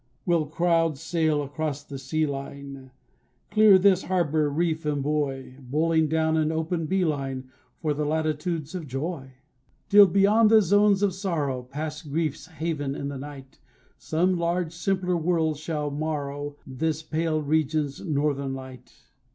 We'll crowd sail across the sea line, Clear this harbor, reef and buoy, Bowling down an open bee line For the latitudes of joy; Till beyond the zones of sorrow, Past griefs haven in the night, Some large simpler world shall morrow This pale region's northern light.